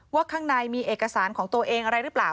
ข้างในมีเอกสารของตัวเองอะไรหรือเปล่า